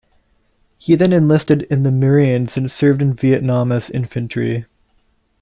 He then enlisted in the Marines and served in Vietnam as infantry.